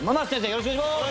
よろしくお願いします